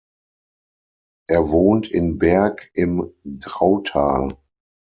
Er wohnt in Berg im Drautal.